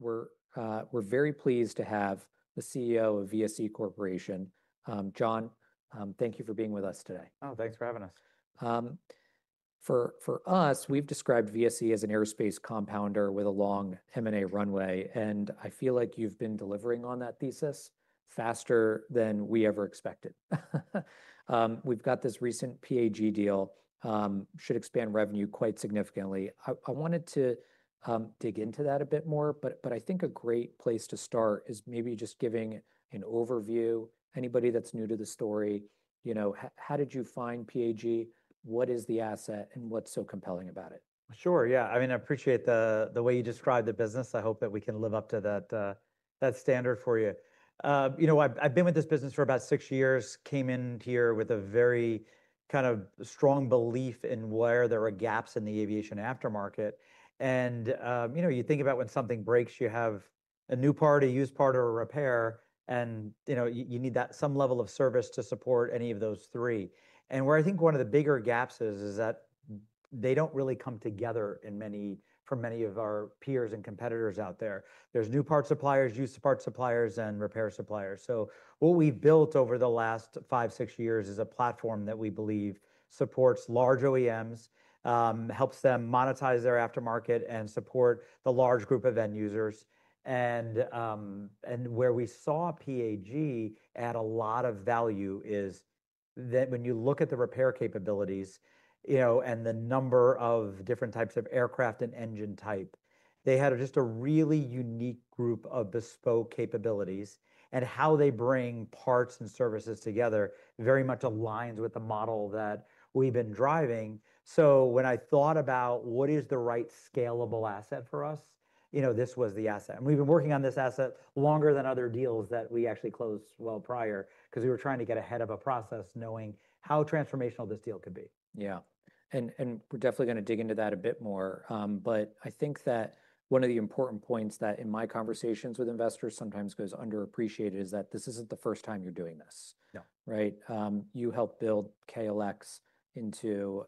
We're very pleased to have the CEO of VSE Corporation. John, thank you for being with us today. Oh, thanks for having us. For us, we've described VSE as an aerospace compounder with a long M&A runway, and I feel like you've been delivering on that thesis faster than we ever expected. We've got this recent PAG deal, should expand revenue quite significantly. I wanted to dig into that a bit more, but I think a great place to start is maybe just giving an overview. Anybody that's new to the story, you know, how did you find PAG? What is the asset, and what's so compelling about it? Sure, yeah. I mean, I appreciate the way you described the business. I hope that we can live up to that standard for you. You know, I've been with this business for about six years, came in here with a very kind of strong belief in where there were gaps in the aviation aftermarket. And, you know, you think about when something breaks, you have a new part, a used part, or a repair, and, you know, you need that some level of service to support any of those three. And where I think one of the bigger gaps is that they don't really come together for many of our peers and competitors out there. There's new parts suppliers, used parts suppliers, and repair suppliers. So what we've built over the last five, six years is a platform that we believe supports large OEMs, helps them monetize their aftermarket, and support the large group of end users. And where we saw PAG add a lot of value is that when you look at the repair capabilities, you know, and the number of different types of aircraft and engine type, they had just a really unique group of bespoke capabilities, and how they bring parts and services together very much aligns with the model that we've been driving. So when I thought about what is the right scalable asset for us, you know, this was the asset. And we've been working on this asset longer than other deals that we actually closed well prior, 'cause we were trying to get ahead of a process, knowing how transformational this deal could be. Yeah. And we're definitely gonna dig into that a bit more, but I think that one of the important points that, in my conversations with investors, sometimes goes underappreciated, is that this isn't the first time you're doing this. Yeah. Right? You helped build KLX into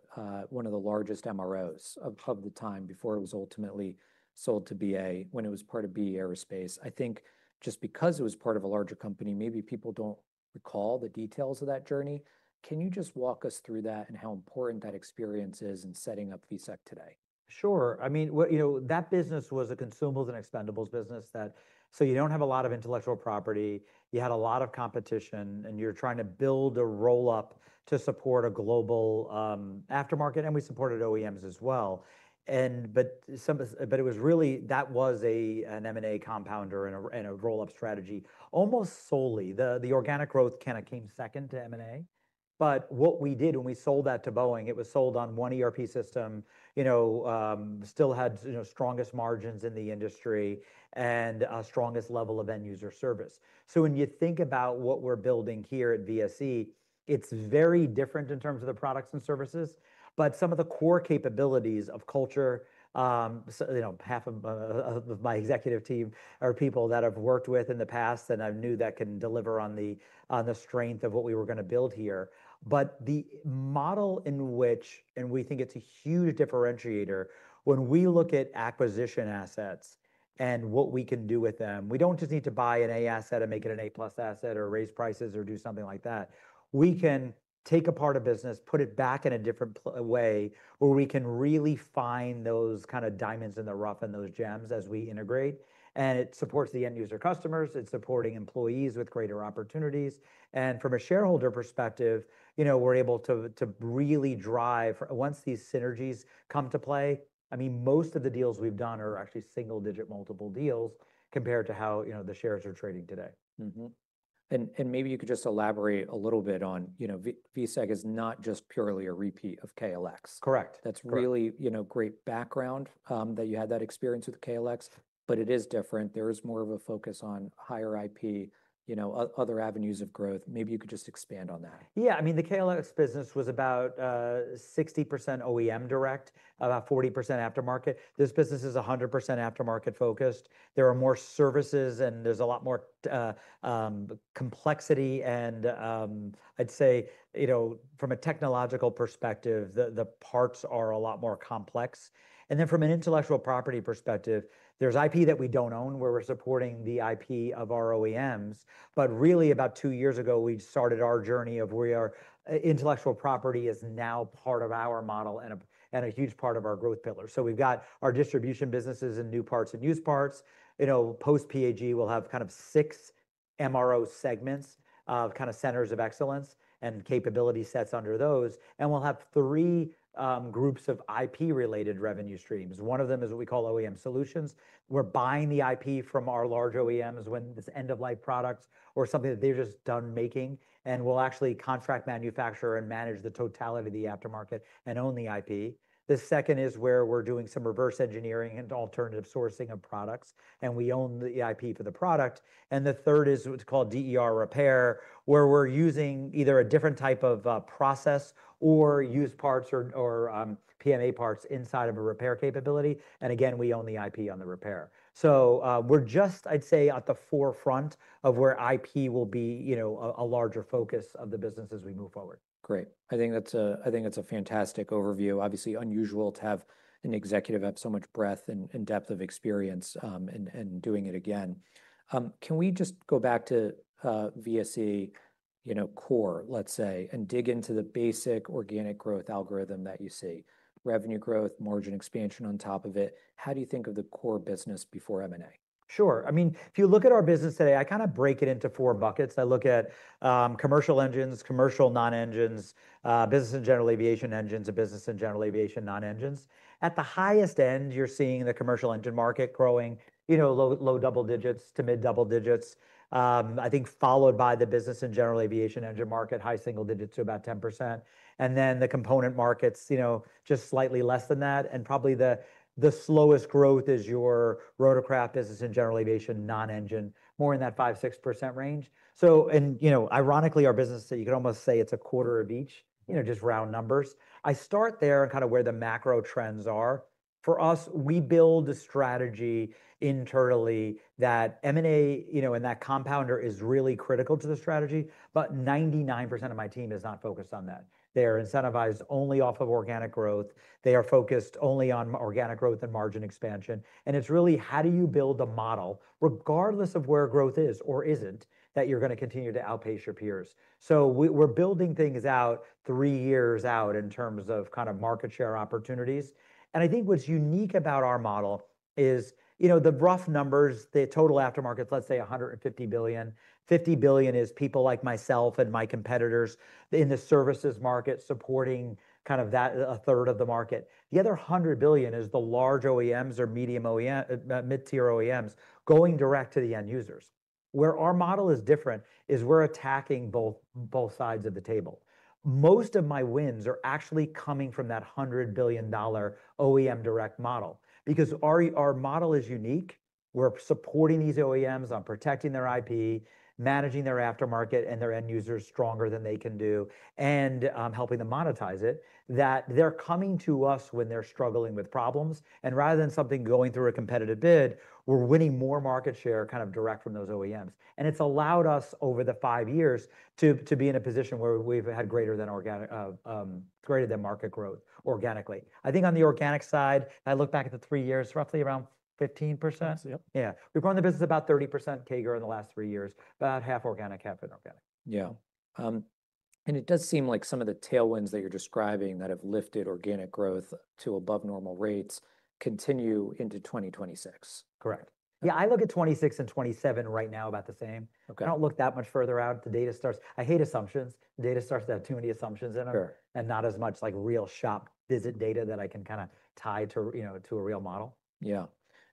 one of the largest MROs of the time, before it was ultimately sold to BA, when it was part of B/E Aerospace. I think just because it was part of a larger company, maybe people don't recall the details of that journey. Can you just walk us through that and how important that experience is in setting up VSE today? Sure. I mean, what. You know, that business was a consumables and expendables business that- so you don't have a lot of intellectual property, you had a lot of competition, and you're trying to build a roll-up to support a global, aftermarket, and we supported OEMs as well. But it was really, that was a, an M&A compounder and a, and a roll-up strategy. Almost solely, the, the organic growth kinda came second to M&A. But what we did when we sold that to Boeing, it was sold on one ERP system, you know, still had, you know, strongest margins in the industry and, strongest level of end-user service. So when you think about what we're building here at VSE, it's very different in terms of the products and services, but some of the core capabilities of culture, so, you know, half of my executive team are people that I've worked with in the past, and I knew that can deliver on the strength of what we were gonna build here. But the model in which, and we think it's a huge differentiator, when we look at acquisition assets and what we can do with them, we don't just need to buy an A asset and make it an A+ asset or raise prices or do something like that. We can take a part of business, put it back in a different way, where we can really find those kinda diamonds in the rough and those gems as we integrate, and it supports the end-user customers, it's supporting employees with greater opportunities, and from a shareholder perspective, you know, we're able to, to really drive. Once these synergies come to play, I mean, most of the deals we've done are actually single-digit multiple deals compared to how, you know, the shares are trading today. And, maybe you could just elaborate a little bit on, you know, VSEC is not just purely a repeat of KLX. Correct. That's really you know, great background, that you had that experience with KLX, but it is different. There is more of a focus on higher IP, you know, other avenues of growth. Maybe you could just expand on that. Yeah. I mean, the KLX business was about 60% OEM direct, about 40% aftermarket. This business is 100% aftermarket-focused. There are more services, and there's a lot more complexity and I'd say, you know, from a technological perspective, the parts are a lot more complex. And then from an intellectual property perspective, there's IP that we don't own, where we're supporting the IP of our OEMs. But really, about two years ago, we started our journey of where our intellectual property is now part of our model and a huge part of our growth pillar. So we've got our distribution businesses in new parts and used parts. You know, post-PAG, we'll have kind of six MRO segments of kinda centers of excellence and capability sets under those, and we'll have three groups of IP-related revenue streams. One of them is what we call OEM Solutions. We're buying the IP from our large OEMs, when it's end-of-life products or something that they're just done making, and we'll actually contract manufacture and manage the totality of the aftermarket and own the IP. The second is where we're doing some reverse engineering and alternative sourcing of products, and we own the IP for the product. And the third is what's called DER repair, where we're using either a different type of process or used parts or PMA parts inside of a repair capability, and again, we own the IP on the repair. So, we're just, I'd say, at the forefront of where IP will be, you know, a larger focus of the business as we move forward. Great. I think that's a fantastic overview. Obviously, unusual to have an executive have so much breadth and depth of experience, and doing it again. Can we just go back to VSE, you know, core, let's say, and dig into the basic organic growth algorithm that you see. Revenue growth, margin expansion on top of it, how do you think of the core business before M&A? Sure. I mean, if you look at our business today, I kind of break it into four buckets. I look at commercial engines, commercial non-engines, business and general aviation engines, and business and general aviation non-engines. At the highest end, you're seeing the commercial engine market growing, you know, low double digits to mid double digits, I think followed by the business and general aviation engine market, high single digits to about 10%. And then the component markets, you know, just slightly less than that, and probably the slowest growth is your rotorcraft business and general aviation non-engine, more in that 5%-6% range. So, and you know, ironically, our business, you could almost say it's a quarter of each, you know, just round numbers. I start there and kind of where the macro trends are. For us, we build a strategy internally that M&A, you know, and that compounder is really critical to the strategy, but 99% of my team is not focused on that. They are incentivized only off of organic growth. They are focused only on organic growth and margin expansion, and it's really how do you build a model, regardless of where growth is or isn't, that you're gonna continue to outpace your peers? We're building things out three years out in terms of kind of market share opportunities. I think what's unique about our model is, you know, the rough numbers, the total aftermarkets, let's say $150 billion. $50 billion is people like myself and my competitors in the services market supporting kind of that, a third of the market. The other $100 billion is the large OEMs or medium OEM, mid-tier OEMs going direct to the end users. Where our model is different is we're attacking both, both sides of the table. Most of my wins are actually coming from that $100 billion OEM direct model. Because our, our model is unique, we're supporting these OEMs on protecting their IP, managing their aftermarket and their end users stronger than they can do, and, helping them monetize it, that they're coming to us when they're struggling with problems, and rather than something going through a competitive bid, we're winning more market share kind of direct from those OEMs. And it's allowed us, over the five years, to, to be in a position where we've had greater than organic. greater than market growth organically. I think on the organic side, I look back at the three years, roughly around 15%. Yep. Yeah. We've grown the business about 30% CAGR in the last three years, about half organic, half inorganic. Yeah. It does seem like some of the tailwinds that you're describing that have lifted organic growth to above normal rates continue into 2026. Correct. Yeah, I look at 2026 and 2027 right now about the same. Okay. I don't look that much further out. I hate assumptions. Data starts to have too many assumptions in them. Sure And not as much, like, real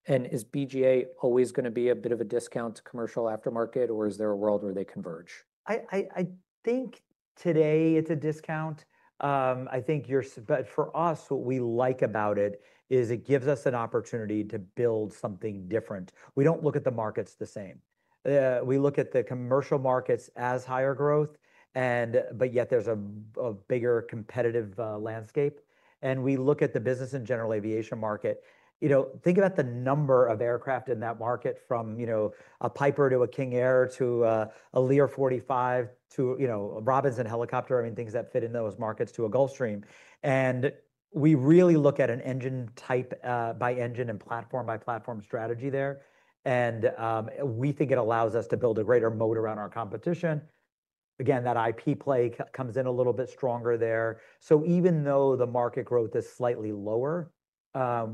shop visit data that I can kind of tie to, you know, to a real model. Yeah. Is BGA always gonna be a bit of a discount commercial aftermarket, or is there a world where they converge? I think today it's a discount. I think but for us, what we like about it is it gives us an opportunity to build something different. We don't look at the markets the same. We look at the commercial markets as higher growth, and but yet there's a bigger competitive landscape. And we look at the business and general aviation market, you know, think about the number of aircraft in that market from, you know, a Piper to a King Air to a Lear 45 to, you know, a Robinson helicopter, I mean, things that fit in those markets, to a Gulfstream, and we really look at an engine type by engine and platform by platform strategy there. And we think it allows us to build a greater moat around our competition. Again, that IP play comes in a little bit stronger there. So even though the market growth is slightly lower,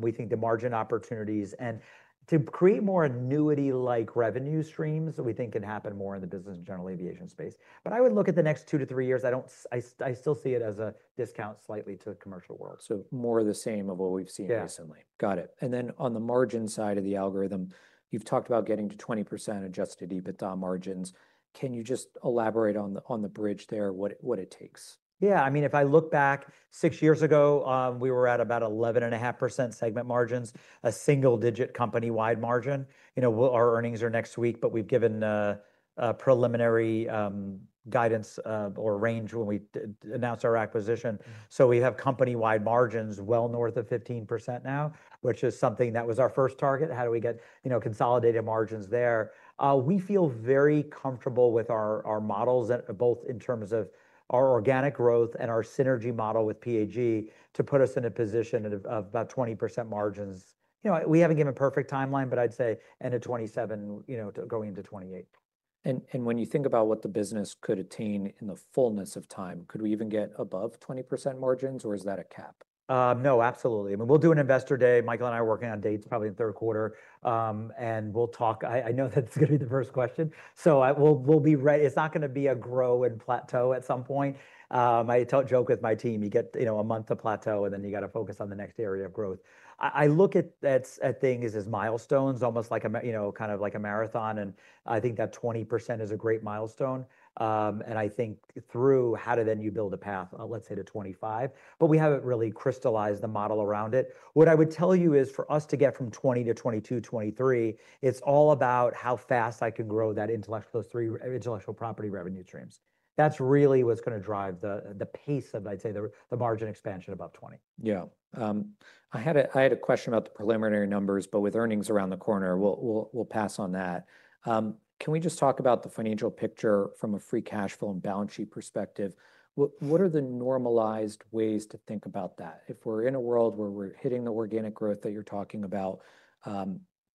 we think the margin opportunities. And to create more annuity-like revenue streams, we think can happen more in the business and general aviation space. But I would look at the next two to three years, I still see it as a discount slightly to the commercial world. More of the same of what we've seen recently. Yeah. Got it. And then on the margin side of the algorithm, you've talked about getting to 20% adjusted EBITDA margins. Can you just elaborate on the bridge there, what it takes? Yeah, I mean, if I look back, six years ago, we were at about 11.5% segment margins, a single-digit company-wide margin. You know, our earnings are next week, but we've given a preliminary guidance or range when we announce our acquisition. So we have company-wide margins well north of 15% now, which is something that was our first target, how do we get, you know, consolidated margins there? We feel very comfortable with our models both in terms of our organic growth and our synergy model with PAG, to put us in a position of about 20% margins. You know, we haven't given a perfect timeline, but I'd say end of 2027, you know, going into 2028. When you think about what the business could attain in the fullness of time, could we even get above 20% margins, or is that a cap? No, absolutely. I mean, we'll do an investor day. Michael and I are working on dates, probably in the third quarter. And we'll talk. I know that's gonna be the first question, so we'll be ready. It's not gonna be a grow and plateau at some point. I joke with my team, you get, you know, a month to plateau, and then you gotta focus on the next area of growth. I look at that, at things as milestones, almost like a you know, kind of like a marathon, and I think that 20% is a great milestone. And I think through how do then you build a path, let's say to 25%, but we haven't really crystallized the model around it. What I would tell you is, for us to get from 20% to 22%, 23%, it's all about how fast I can grow those three intellectual property revenue streams. That's really what's gonna drive the pace of, I'd say, the margin expansion above 20. Yeah. I had a question about the preliminary numbers, but with earnings around the corner, we'll pass on that. Can we just talk about the financial picture from a free cash flow and balance sheet perspective? What are the normalized ways to think about that? If we're in a world where we're hitting the organic growth that you're talking about,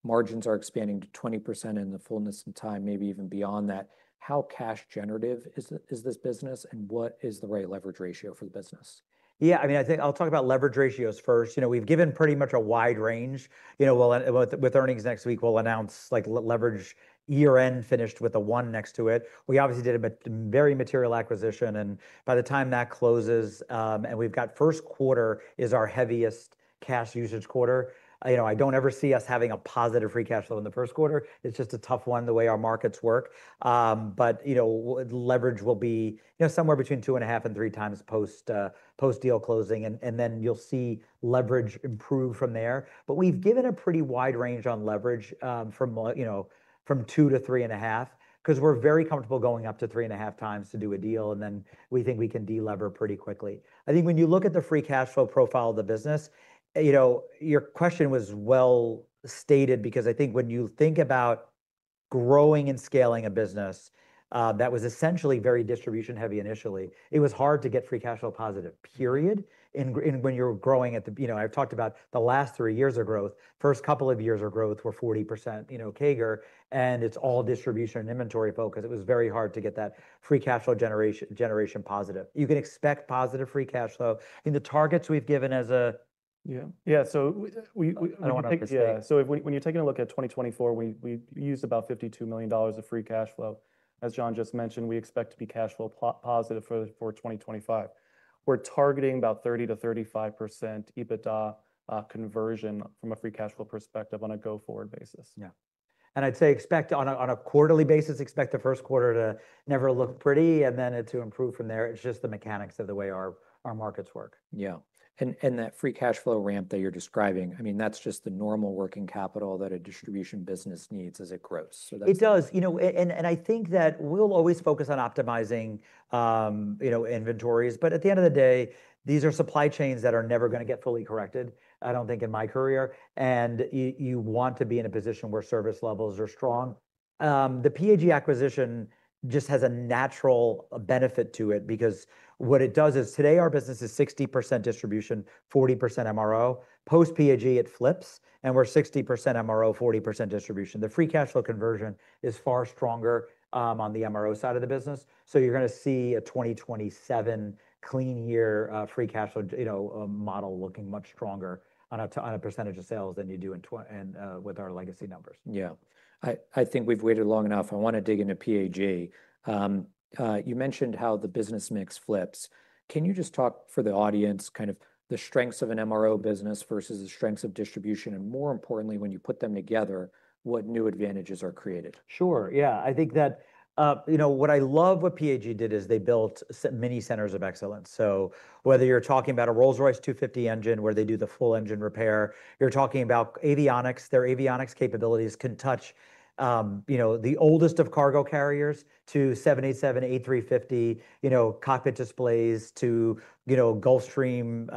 margins are expanding to 20% in the fullness and time, maybe even beyond that, how cash generative is this business, and what is the right leverage ratio for the business? Yeah, I mean, I think I'll talk about leverage ratios first. You know, we've given pretty much a wide range. You know, we'll, with earnings next week, we'll announce, like, leverage, year-end finished with a one next to it. We obviously did a very material acquisition, and by the time that closes, and we've got first quarter is our heaviest cash usage quarter. You know, I don't ever see us having a positive free cash flow in the first quarter. It's just a tough one, the way our markets work. But, you know, leverage will be, you know, somewhere between 2.5x and 3x post, post-deal closing, and then you'll see leverage improve from there. But we've given a pretty wide range on leverage, from like, you know, from 2x to 3.5x, 'cause we're very comfortable going up to 3.5x to do a deal, and then we think we can de-lever pretty quickly. I think when you look at the free cash flow profile of the business, you know, your question was well stated because I think when you think about growing and scaling a business that was essentially very distribution-heavy initially, it was hard to get free cash flow positive, period, when you're growing. You know, I've talked about the last three years of growth. First couple of years of growth were 40%, you know, CAGR, and it's all distribution and inventory focus. It was very hard to get that free cash flow generation positive. You can expect positive free cash flow in the targets we've given. Yeah. Yeah. I don't want to speculate. Yeah, so when you're taking a look at 2024, we used about $52 million of free cash flow. As John just mentioned, we expect to be cash flow positive for 2025. We're targeting about 30%-35% EBITDA conversion from a free cash flow perspective on a go-forward basis. Yeah. And I'd say expect on a quarterly basis, expect the first quarter to never look pretty, and then it to improve from there. It's just the mechanics of the way our markets work. Yeah. And that free cash flow ramp that you're describing, I mean, that's just the normal working capital that a distribution business needs as it grows. It does, you know, and I think that we'll always focus on optimizing, you know, inventories, but at the end of the day, these are supply chains that are never gonna get fully corrected, I don't think in my career, and you want to be in a position where service levels are strong. The PAG acquisition just has a natural benefit to it because what it does is, today our business is 60% distribution, 40% MRO. Post-PAG, it flips, and we're 60% MRO, 40% distribution. The free cash flow conversion is far stronger on the MRO side of the business, so you're gonna see a 2027 clean year, free cash flow, you know, model looking much stronger on a percentage of sales than you do with our legacy numbers. Yeah. I, I think we've waited long enough. I want to dig into PAG. You mentioned how the business mix flips. Can you just talk, for the audience, kind of the strengths of an MRO business versus the strengths of distribution, and more importantly, when you put them together, what new advantages are created? Sure, yeah. I think that, you know, what I love what PAG did is they built many centers of excellence. So whether you're talking about a Rolls-Royce M250 engine, where they do the full engine repair, you're talking about avionics. Their avionics capabilities can touch, you know, the oldest of cargo carriers to 787, A350, you know, cockpit displays to, you know, Gulfstream,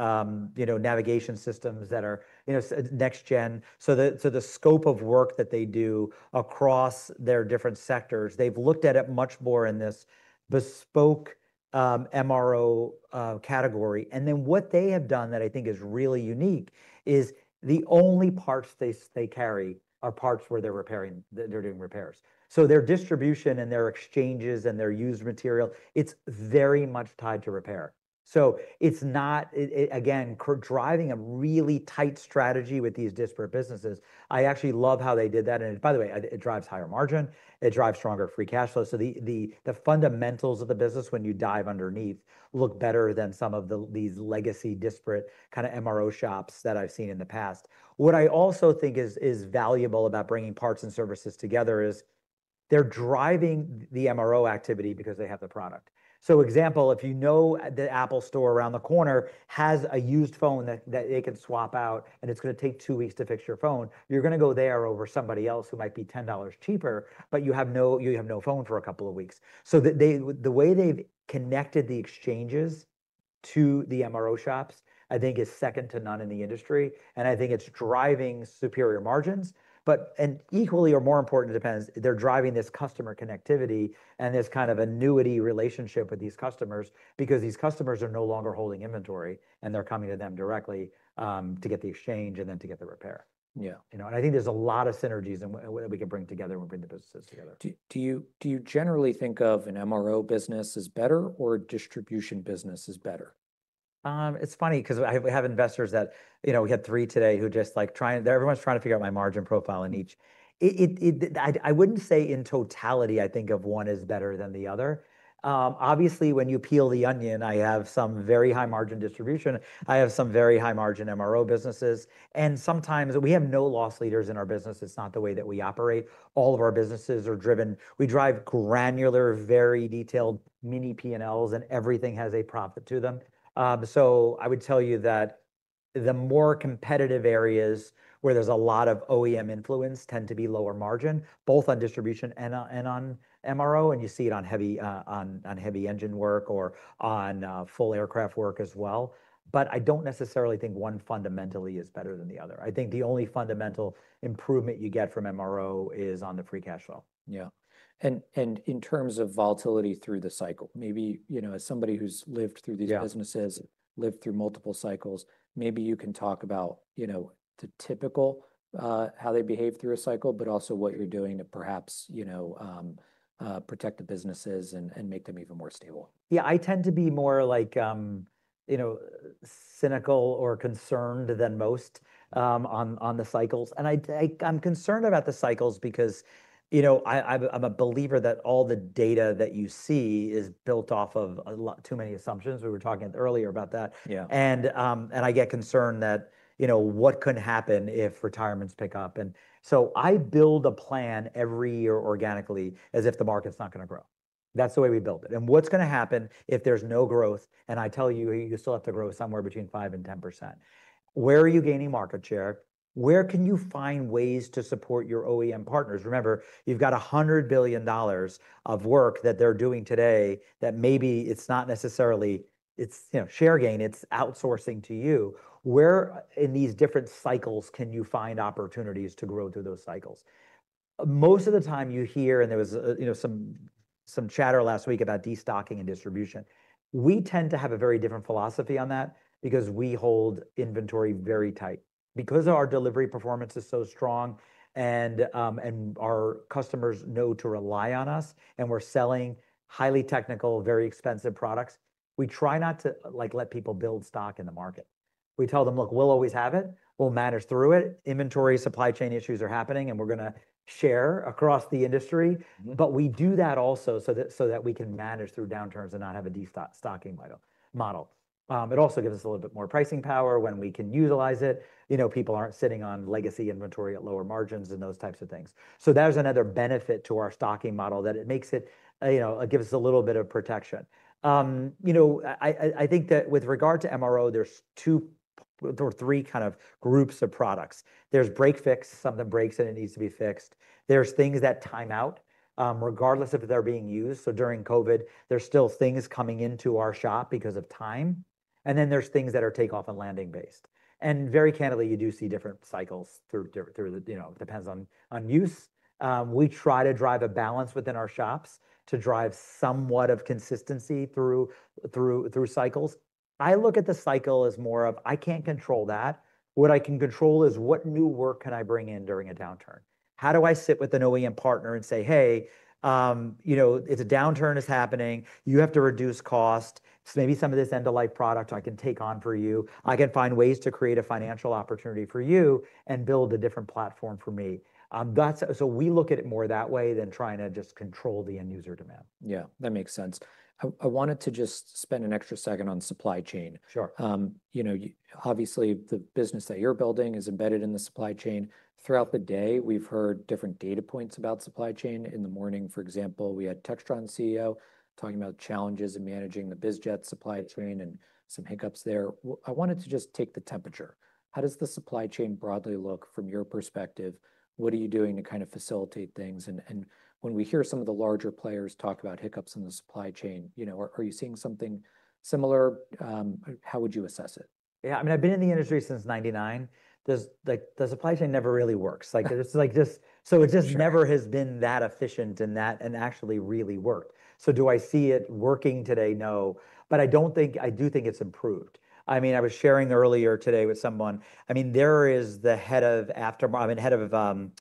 you know, navigation systems that are, you know, next gen. So the scope of work that they do across their different sectors, they've looked at it much more in this bespoke MRO category. And then what they have done that I think is really unique is the only parts they carry are parts where they're repairing. they're doing repairs. So their distribution, and their exchanges, and their used material, it's very much tied to repair. So it's not again driving a really tight strategy with these disparate businesses, I actually love how they did that. And by the way, it drives higher margin, it drives stronger free cash flow. So the fundamentals of the business, when you dive underneath, look better than some of these legacy, disparate kind of MRO shops that I've seen in the past. What I also think is valuable about bringing parts and services together is they're driving the MRO activity because they have the product. So example, if you know the Apple store around the corner has a used phone that they can swap out, and it's gonna take two weeks to fix your phone, you're gonna go there over somebody else who might be $10 cheaper, but you have no phone for a couple of weeks. So the way they've connected the exchanges to the MRO shops, I think is second to none in the industry, and I think it's driving superior margins. And equally or more important, it depends, they're driving this customer connectivity and this kind of annuity relationship with these customers because these customers are no longer holding inventory, and they're coming to them directly to get the exchange and then to get the repair. Yeah. You know, and I think there's a lot of synergies in that we can bring together and bring the businesses together. Do you generally think of an MRO business as better or a distribution business as better? It's funny, because we have investors that, you know, we had three today who just like trying- everyone's trying to figure out my margin profile in each. I wouldn't say in totality I think of one as better than the other. Obviously, when you peel the onion, I have some very high margin distribution. I have some very high margin MRO businesses, and sometimes we have no loss leaders in our business. It's not the way that we operate. All of our businesses are driven- we drive granular, very detailed mini P&Ls, and everything has a profit to them. So I would tell you that the more competitive areas where there's a lot of OEM influence tend to be lower margin, both on distribution and on MRO, and you see it on heavy engine work or on full aircraft work as well. But I don't necessarily think one fundamentally is better than the other. I think the only fundamental improvement you get from MRO is on the free cash flow. Yeah. In terms of volatility through the cycle, maybe, you know, as somebody who's lived through these businesses, lived through multiple cycles, maybe you can talk about, you know, the typical, how they behave through a cycle, but also what you're doing to perhaps, you know, protect the businesses and make them even more stable. Yeah, I tend to be more like, you know, cynical or concerned than most on the cycles. And I'm concerned about the cycles because, you know, I'm a believer that all the data that you see is built off of a lot too many assumptions. We were talking earlier about that. Yeah. And I get concerned that, you know, what could happen if retirements pick up? And so I build a plan every year organically, as if the market's not gonna grow. That's the way we build it. And what's gonna happen if there's no growth, and I tell you, you still have to grow somewhere between 5% and 10%? Where are you gaining market share? Where can you find ways to support your OEM partners? Remember, you've got $100 billion of work that they're doing today that maybe it's not necessarily... it's, you know, share gain, it's outsourcing to you. Where in these different cycles can you find opportunities to grow through those cycles? Most of the time you hear, and there was, you know, some chatter last week about destocking and distribution. We tend to have a very different philosophy on that, because we hold inventory very tight. Because our delivery performance is so strong and, and our customers know to rely on us, and we're selling highly technical, very expensive products, we try not to, like, let people build stock in the market. We tell them, "Look, we'll always have it, we'll manage through it. Inventory, supply chain issues are happening, and we're gonna share across the industry." But we do that also so that we can manage through downturns and not have a destocking model. It also gives us a little bit more pricing power when we can utilize it. You know, people aren't sitting on legacy inventory at lower margins and those types of things. So that is another benefit to our stocking model, that it makes it, you know, it gives us a little bit of protection. You know, I think that with regard to MRO, there's two or three kind of groups of products. There's break-fix, something breaks and it needs to be fixed. There's things that time out, regardless if they're being used. So during COVID, there's still things coming into our shop because of time, and then there's things that are take-off and landing based. And very candidly, you do see different cycles through, you know, depends on use. We try to drive a balance within our shops to drive somewhat of consistency through cycles. I look at the cycle as more of, "I can't control that. What I can control is, what new work can I bring in during a downturn? How do I sit with an OEM partner and say, "Hey, you know, if a downturn is happening, you have to reduce cost, so maybe some of this end-of-life product I can take on for you. I can find ways to create a financial opportunity for you and build a different platform for me?" That's so we look at it more that way than trying to just control the end user demand. Yeah, that makes sense. I wanted to just spend an extra second on supply chain. Sure. You know, obviously, the business that you're building is embedded in the supply chain. Throughout the day, we've heard different data points about supply chain. In the morning, for example, we had Textron CEO talking about challenges in managing the bizjet supply chain and some hiccups there. I wanted to just take the temperature. How does the supply chain broadly look from your perspective? What are you doing to kind of facilitate things? And when we hear some of the larger players talk about hiccups in the supply chain, you know, are you seeing something similar? How would you assess it? Yeah, I mean, I've been in the industry since 1999. There's like, the supply chain never really works. Like, it's like this. So it just never has been that efficient and that and actually really worked. So do I see it working today? No. But I don't think- I do think it's improved. I mean, I was sharing earlier today with someone, I mean, there is the head of aftermarket,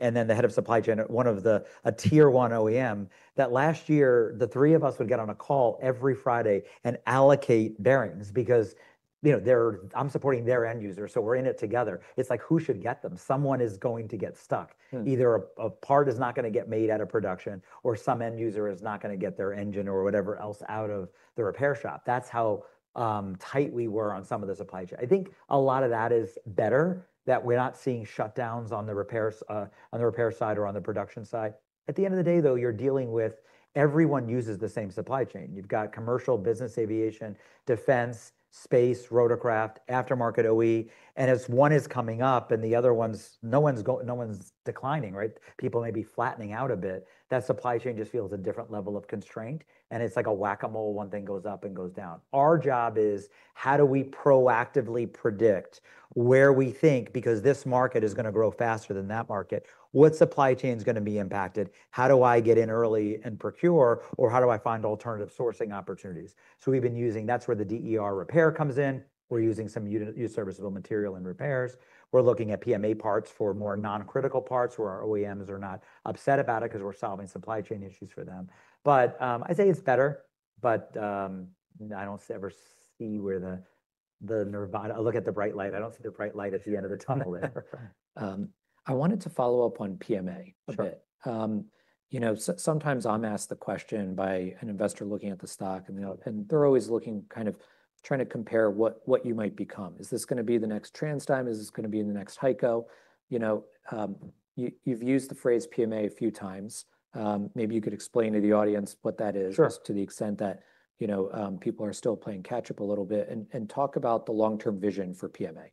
and then the head of supply chain at one of the a Tier 1 OEM, that last year, the three of us would get on a call every Friday and allocate bearings because, you know, I'm supporting their end user, so we're in it together. It's like, who should get them? Someone is going to get stuck. Either a part is not gonna get made out of production, or some end user is not gonna get their engine or whatever else out of the repair shop. That's how tight we were on some of the supply chain. I think a lot of that is better, that we're not seeing shutdowns on the repairs, on the repair side or on the production side. At the end of the day, though, you're dealing with everyone uses the same supply chain. You've got commercial business, aviation, defense, space, rotorcraft, aftermarket OE, and as one is coming up and no one's declining, right? People may be flattening out a bit. That supply chain just feels a different level of constraint, and it's like a whack-a-mole, one thing goes up and goes down. Our job is, how do we proactively predict where we think, because this market is gonna grow faster than that market, what supply chain is gonna be impacted? How do I get in early and procure, or how do I find alternative sourcing opportunities? So we've been using. That's where the DER repair comes in. We're using some used serviceable material and repairs. We're looking at PMA parts for more non-critical parts, where our OEMs are not upset about it, because we're solving supply chain issues for them. But, I'd say it's better, but, I don't ever see where the, the nirvana. I look at the bright light, I don't see the bright light at the end of the tunnel there. I wanted to follow up on PMA a bit. Sure. You know, so sometimes I'm asked the question by an investor looking at the stock, and, you know, and they're always looking, kind of trying to compare what you might become. Is this gonna be the next TransDigm? Is this gonna be the next HEICO? You know, you've used the phrase PMA a few times. Maybe you could explain to the audience what that is- Sure To the extent that, you know, people are still playing catch-up a little bit. And talk about the long-term vision for PMA.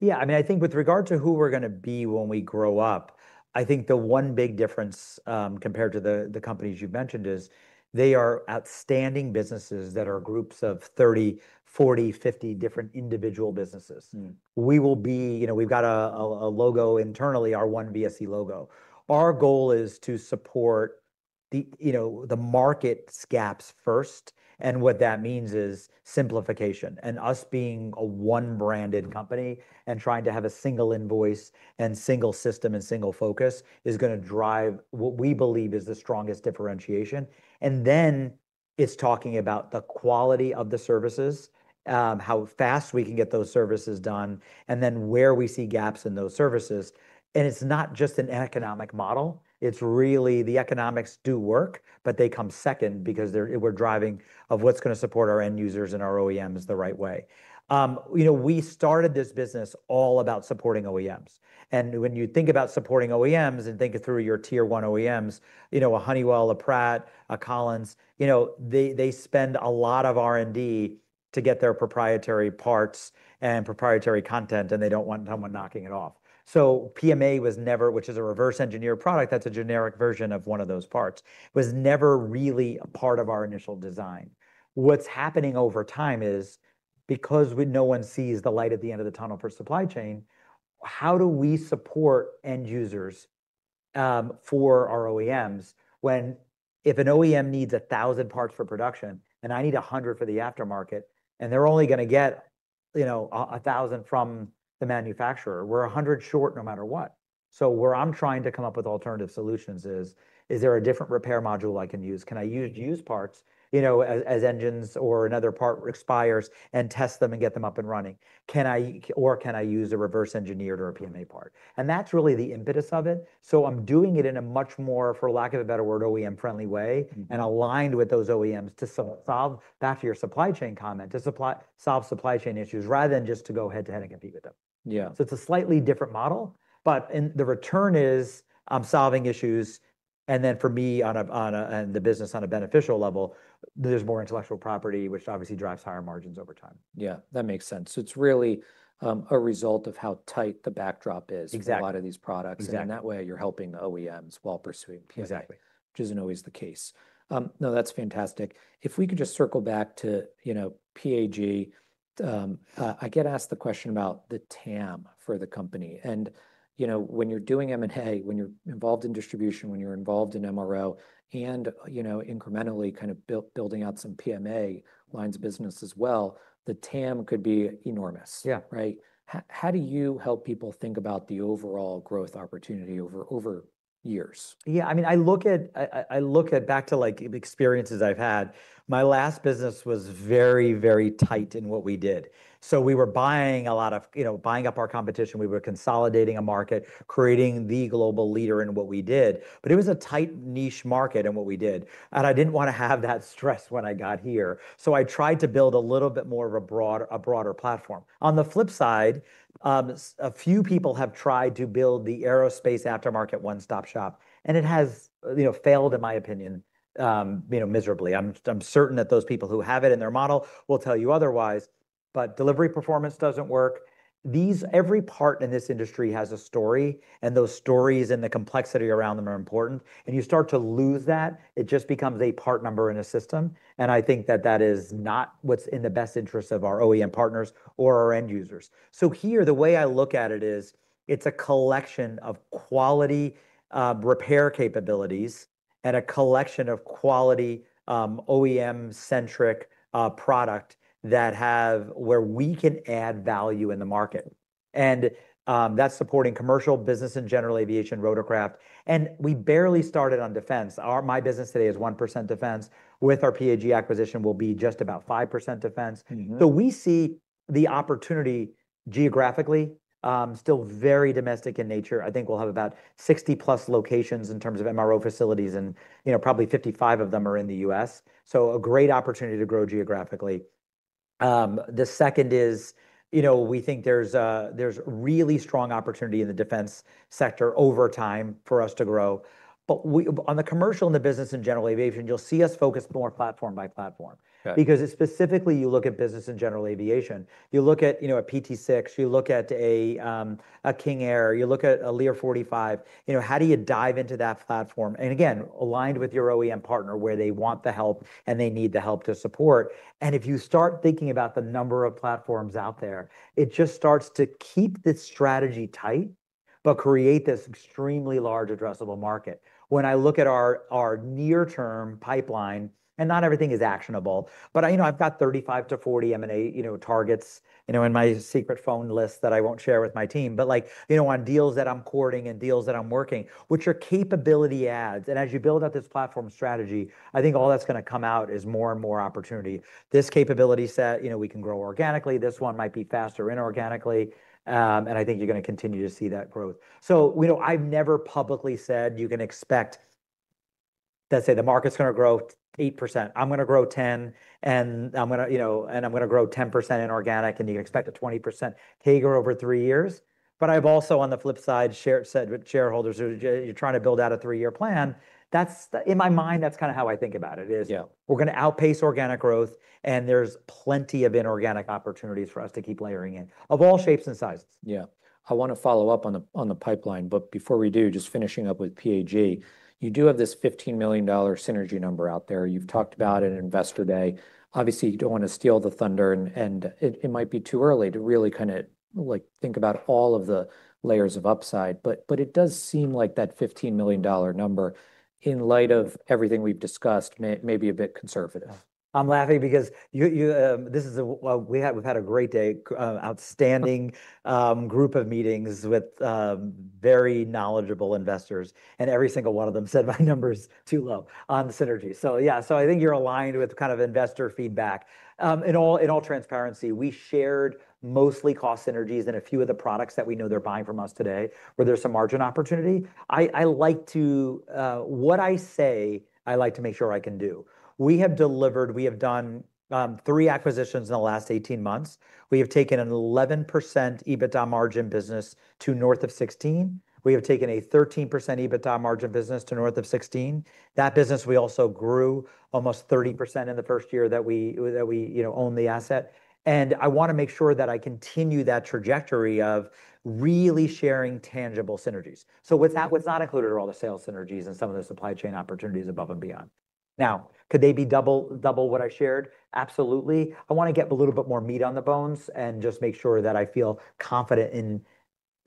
Yeah, I mean, I think with regard to who we're gonna be when we grow up, I think the one big difference, compared to the companies you've mentioned, is they are outstanding businesses that are groups of 30, 40, 50 different individual businesses. You know, we've got a logo internally, our One VSE logo. Our goal is to support the, you know, the market's gaps first, and what that means is simplification. And us being a one-branded company and trying to have a single invoice and single system and single focus, is gonna drive what we believe is the strongest differentiation. And then it's talking about the quality of the services, how fast we can get those services done, and then where we see gaps in those services. And it's not just an economic model, it's really the economics do work, but they come second, because they're- we're driving of what's gonna support our end users and our OEMs the right way. You know, we started this business all about supporting OEMs. When you think about supporting OEMs and think it through your Tier 1 OEMs, you know, a Honeywell, a Pratt, a Collins, you know, they, they spend a lot of R&D to get their proprietary parts and proprietary content, and they don't want someone knocking it off. So PMA was never, which is a reverse engineer product, that's a generic version of one of those parts, was never really a part of our initial design. What's happening over time is, because no one sees the light at the end of the tunnel for supply chain... how do we support end users for our OEMs, when if an OEM needs 1,000 parts for production, and I need 100 for the aftermarket, and they're only gonna get, you know, a 1,000 from the manufacturer, we're 100 short no matter what. So where I'm trying to come up with alternative solutions is, is there a different repair module I can use? Can I use used parts, you know, as engines or another part expires, and test them and get them up and running? Can I or can I use a reverse engineered or a PMA part? And that's really the impetus of it, so I'm doing it in a much more, for lack of a better word, OEM-friendly way and aligned with those OEMs to solve, back to your supply chain comment, to solve supply chain issues, rather than just to go head-to-head and compete with them. Yeah. So it's a slightly different model, but, and the return is I'm solving issues, and then for me, on the business on a beneficial level, there's more intellectual property, which obviously drives higher margins over time. Yeah, that makes sense. So it's really a result of how tight the backdrop is. Exactly For a lot of these products. Exactly. And in that way, you're helping OEMs while pursuing PMA. Exactly Which isn't always the case. No, that's fantastic. If we could just circle back to, you know, PAG, I get asked the question about the TAM for the company. You know, when you're doing M&A, when you're involved in distribution, when you're involved in MRO, and, you know, incrementally kind of building out some PMA lines of business as well, the TAM could be enormous. Yeah. Right? How do you help people think about the overall growth opportunity over years? Yeah, I mean, I look back to, like, experiences I've had. My last business was very, very tight in what we did. So we were buying, you know, buying up our competition, we were consolidating a market, creating the global leader in what we did, but it was a tight, niche market in what we did, and I didn't want to have that stress when I got here. So I tried to build a little bit more of a broader platform. On the flip side, a few people have tried to build the aerospace aftermarket one-stop shop, and it has, you know, failed in my opinion, you know, miserably. I'm certain that those people who have it in their model will tell you otherwise, but delivery performance doesn't work. Every part in this industry has a story, and those stories and the complexity around them are important, and you start to lose that, it just becomes a part number in a system, and I think that that is not what's in the best interest of our OEM partners or our end users. So here, the way I look at it is, it's a collection of quality repair capabilities and a collection of quality OEM-centric product that have where we can add value in the market. And that's supporting commercial business and general aviation rotorcraft, and we barely started on defense. My business today is 1% defense. With our PAG acquisition, we'll be just about 5% defense. So we see the opportunity geographically, still very domestic in nature. I think we'll have about 60-plus locations in terms of MRO facilities, and, you know, probably 55 of them are in the U.S., so a great opportunity to grow geographically. The second is, you know, we think there's there's really strong opportunity in the defense sector over time for us to grow. But we on the commercial and the business and general aviation, you'll see us focus more platform by platform. Okay. Because specifically, you look at business and general aviation, you look at, you know, a PT6, you look at a, a King Air, you look at a Lear 45, you know, how do you dive into that platform? And again, aligned with your OEM partner, where they want the help and they need the help to support. And if you start thinking about the number of platforms out there, it just starts to keep the strategy tight, but create this extremely large addressable market. When I look at our, our near-term pipeline, and not everything is actionable, but, you know, I've got 35-40 M&A, you know, targets, you know, in my secret phone list that I won't share with my team. But like, you know, on deals that I'm courting and deals that I'm working, which are capability adds, and as you build out this platform strategy, I think all that's gonna come out is more and more opportunity. This capability set, you know, we can grow organically. This one might be faster inorganically, and I think you're gonna continue to see that growth. So, you know, I've never publicly said you can expect- let's say the market's gonna grow 8%, I'm gonna grow 10, and I'm gonna, you know, and I'm gonna grow 10% inorganic, and you expect a 20% CAGR over three years. But I've also, on the flip side, share- said with shareholders, "You're trying to build out a three-year plan," that's, in my mind, that's kind of how I think about it is. Yeah We're gonna outpace organic growth, and there's plenty of inorganic opportunities for us to keep layering in, of all shapes and sizes. Yeah. I want to follow up on the pipeline, but before we do, just finishing up with PAG, you do have this $15 million synergy number out there. You've talked about it in Investor Day. Obviously, you don't want to steal the thunder, and it might be too early to really kind of, like, think about all of the layers of upside, but it does seem like that $15 million number, in light of everything we've discussed, may be a bit conservative. I'm laughing because you, you, this is a... Well, we had- we've had a great day, a outstanding, group of meetings with, very knowledgeable investors, and every single one of them said my number's too low on synergy. Yeah, I think you're aligned with kind of investor feedback. In all, in all transparency, we shared mostly cost synergies in a few of the products that we know they're buying from us today, where there's some margin opportunity. What I say, I like to make sure I can do. We have delivered, we have done, three acquisitions in the last 18 months. We have taken an 11% EBITDA margin business to north of 16. We have taken a 13% EBITDA margin business to north of 16. That business, we also grew almost 30% in the first year that we, you know, owned the asset. I want to make sure that I continue that trajectory of really sharing tangible synergies. What's not included are all the sales synergies and some of the supply chain opportunities above and beyond. Now, could they be double what I shared? Absolutely. I wanna get a little bit more meat on the bones and just make sure that I feel confident in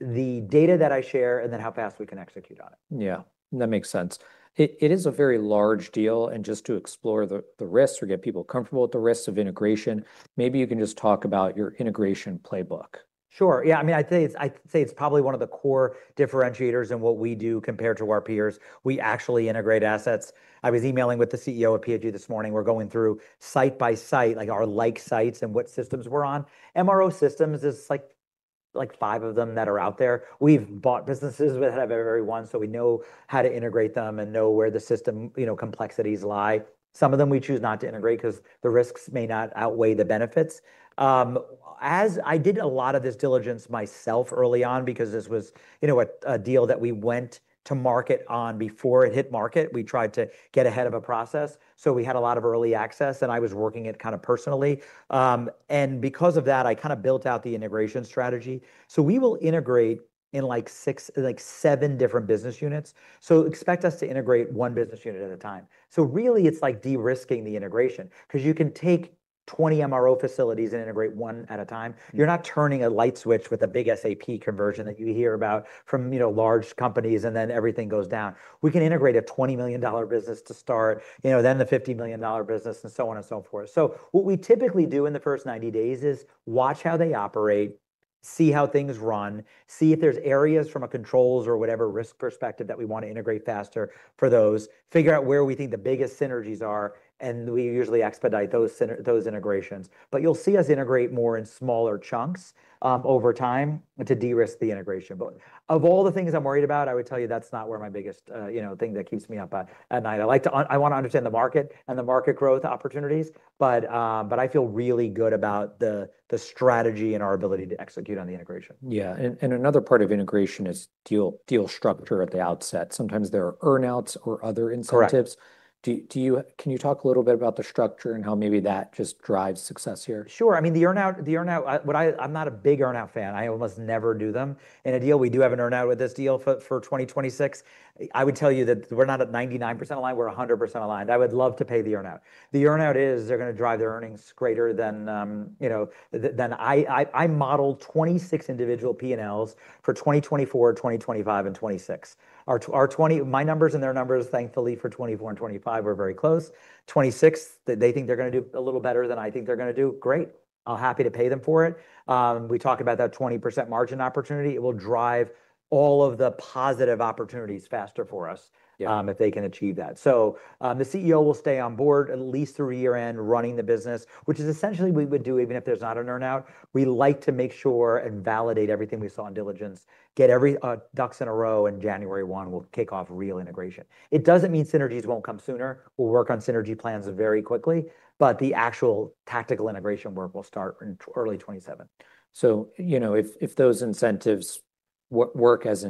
the data that I share, and then how fast we can execute on it. Yeah, that makes sense. It is a very large deal, and just to explore the risks or get people comfortable with the risks of integration, maybe you can just talk about your integration playbook. Sure, yeah. I mean, I'd say it's, I'd say it's probably one of the core differentiators in what we do compared to our peers. We actually integrate assets. I was emailing with the CEO of PAG this morning. We're going through site by site, like, our like sites and what systems we're on. MRO systems, there's like, like five of them that are out there. We've bought businesses with out of every one, so we know how to integrate them and know where the system, you know, complexities lie. Some of them, we choose not to integrate, 'cause the risks may not outweigh the benefits. As I did a lot of this diligence myself early on, because this was, you know, a, a deal that we went to market on before it hit market. We tried to get ahead of a process, so we had a lot of early access, and I was working it kinda personally. And because of that, I kinda built out the integration strategy. So we will integrate in six like, seven different business units, so expect us to integrate one business unit at a time. So really, it's like de-risking the integration, 'cause you can take 20 MRO facilities and integrate one at a time. You're not turning a light switch with a big SAP conversion that you hear about from, you know, large companies, and then everything goes down. We can integrate a $20 million business to start, you know, then the $50 million business, and so on and so forth. So what we typically do in the first 90 days is watch how they operate, see how things run, see if there's areas from a controls or whatever risk perspective that we wanna integrate faster for those, figure out where we think the biggest synergies are, and we usually expedite those integrations. But you'll see us integrate more in smaller chunks over time and to de-risk the integration. But of all the things I'm worried about, I would tell you that's not where my biggest, you know, thing that keeps me up at night. I wanna understand the market and the market growth opportunities, but I feel really good about the strategy and our ability to execute on the integration. Yeah, and another part of integration is deal structure at the outset. Sometimes there are earn-outs or other incentives. Correct. Do you... Can you talk a little bit about the structure and how maybe that just drives success here? Sure. I mean, the earn-out, the earn-out, I'm not a big earn-out fan. I almost never do them. In a deal, we do have an earn-out with this deal for, for 2026. I would tell you that we're not at 99% aligned, we're 100% aligned. I would love to pay the earn-out. The earn-out is, they're gonna drive their earnings greater than, you know. I modelled 26 individual P&Ls for 2024, 2025, and 2026. Our 2024 my numbers and their numbers, thankfully, for 2024 and 2025 are very close. 2026, they think they're gonna do a little better than I think they're gonna do. Great, I'm happy to pay them for it. We talk about that 20% margin opportunity, it will drive all of the positive opportunities faster for us- Yeah If they can achieve that. So, the CEO will stay on board at least through year-end, running the business, which is essentially we would do even if there's not an earn-out. We like to make sure and validate everything we saw in diligence, get every ducks in a row, and January 1, we'll kick off real integration. It doesn't mean synergies won't come sooner. We'll work on synergy plans very quickly, but the actual tactical integration work will start in early 2027. So, you know, if those incentives work as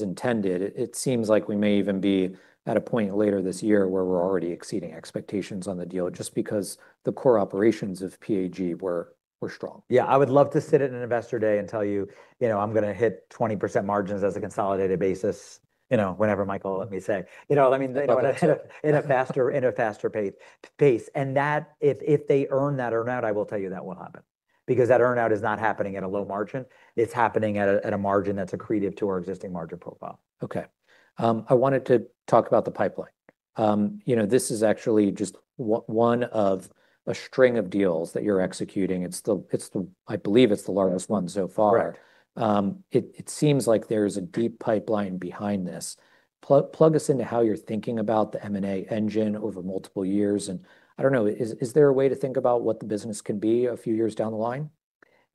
intended, it seems like we may even be at a point later this year where we're already exceeding expectations on the deal, just because the core operations of PAG were strong. Yeah, I would love to sit at an investor day and tell you, "You know, I'm gonna hit 20% margins as a consolidated basis," you know, whenever, Michael, let me say. You know, I mean, you know, in a faster pace. And that, if they earn that earn-out, I will tell you that will happen, because that earn-out is not happening at a low margin. It's happening at a margin that's accretive to our existing margin profile. Okay. I wanted to talk about the pipeline. You know, this is actually just one of a string of deals that you're executing. I believe it's the largest one so far. Right. It seems like there's a deep pipeline behind this. Plug us into how you're thinking about the M&A engine over multiple years. I don't know, is there a way to think about what the business can be a few years down the line?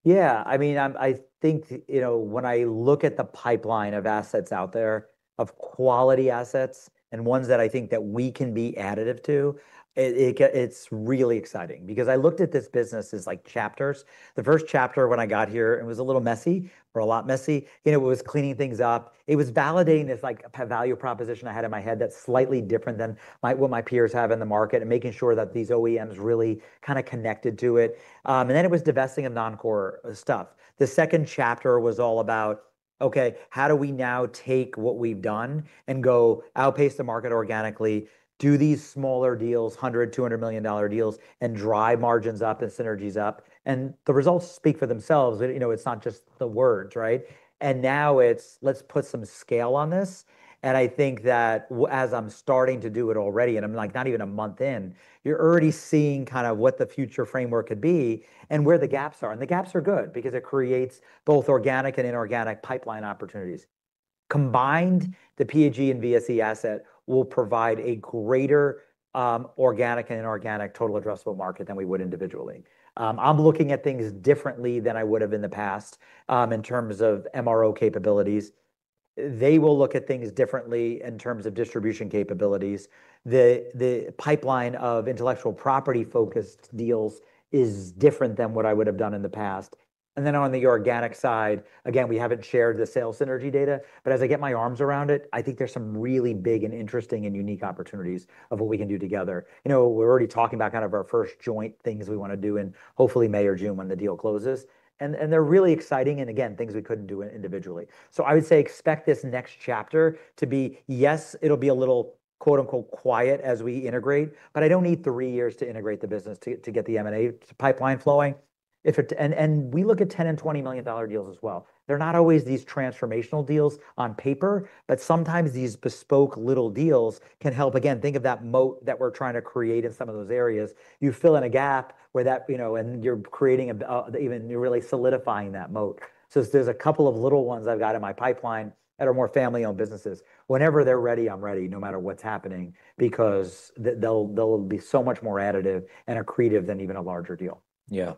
Yeah, I mean, I think, you know, when I look at the pipeline of assets out there, of quality assets, and ones that I think that we can be additive to, it's really exciting. Because I looked at this business as, like, chapters. The first chapter, when I got here, it was a little messy or a lot messy. You know, it was cleaning things up. It was validating this, like, value proposition I had in my head that's slightly different than what my peers have in the market, and making sure that these OEMs really kinda connected to it. And then it was divesting of non-core stuff. The second chapter was all about, okay, how do we now take what we've done and go outpace the market organically, do these smaller deals, $100 to 200 million deals, and drive margins up and synergies up? And the results speak for themselves. You know, it's not just the words, right? And now it's, let's put some scale on this, and I think that as I'm starting to do it already, and I'm, like, not even a month in, you're already seeing kind of what the future framework could be and where the gaps are. And the gaps are good, because it creates both organic and inorganic pipeline opportunities. Combined, the PAG and VSE asset will provide a greater organic and inorganic total addressable market than we would individually. I'm looking at things differently than I would've in the past in terms of MRO capabilities. They will look at things differently in terms of distribution capabilities. The pipeline of intellectual property-focused deals is different than what I would've done in the past. And then on the organic side, again, we haven't shared the sales synergy data, but as I get my arms around it, I think there's some really big, and interesting, and unique opportunities of what we can do together. You know, we're already talking about kind of our first joint things we wanna do in, hopefully, May or June, when the deal closes. And they're really exciting, and again, things we couldn't do individually. So I would say, expect this next chapter to be yes, it'll be a little, quote-unquote, "quiet" as we integrate, but I don't need three years to integrate the business to get the M&A pipeline flowing. We look at $10 million and $20 million deals as well. They're not always these transformational deals on paper, but sometimes these bespoke little deals can help. Again, think of that moat that we're trying to create in some of those areas. You fill in a gap where that, you know, and you're creating a even you're really solidifying that moat. So there's a couple of little ones I've got in my pipeline that are more family-owned businesses. Whenever they're ready, I'm ready, no matter what's happening, because they'll be so much more additive and accretive than even a larger deal. Yeah.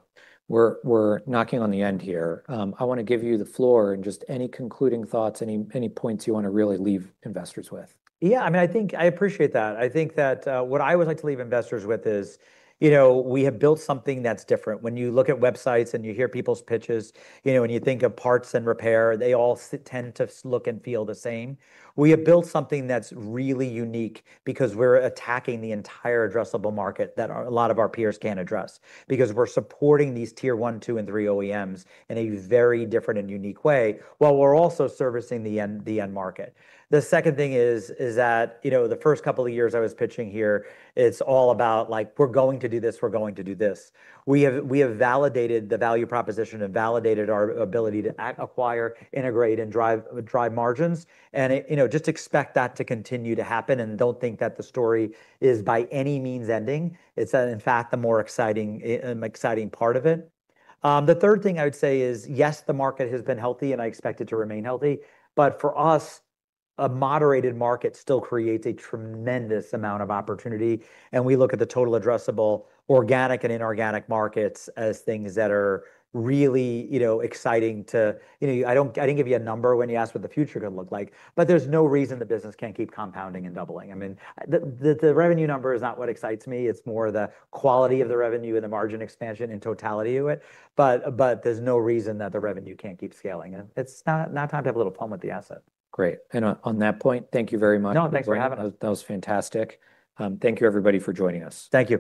We're knocking on the end here. I wanna give you the floor, and just any concluding thoughts, any points you wanna really leave investors with? Yeah, I mean, I think I appreciate that. I think that what I would like to leave investors with is, you know, we have built something that's different. When you look at websites and you hear people's pitches, you know, when you think of parts and repair, they all tend to look and feel the same. We have built something that's really unique because we're attacking the entire addressable market that a lot of our peers can't address. Because we're supporting these Tier 1, 2, and 3 OEMs in a very different and unique way, while we're also servicing the end, the end market. The second thing is, is that, you know, the first couple of years I was pitching here, it's all about like, we're going to do this, we're going to do this. We have validated the value proposition and validated our ability to acquire, integrate, and drive margins. And you know, just expect that to continue to happen, and don't think that the story is by any means ending. It's in fact the more exciting, exciting part of it. The third thing I would say is, yes, the market has been healthy, and I expect it to remain healthy, but for us, a moderated market still creates a tremendous amount of opportunity, and we look at the total addressable, organic and inorganic markets as things that are really, you know, exciting. You know, I didn't give you a number when you asked what the future gonna look like, but there's no reason the business can't keep compounding and doubling. I mean, the revenue number is not what excites me, it's more the quality of the revenue and the margin expansion and totality of it, but there's no reason that the revenue can't keep scaling. It's not time to have a little fun with the asset. Great. On that point, thank you very much. No, thanks for having us. That was fantastic. Thank you, everybody, for joining us. Thank you.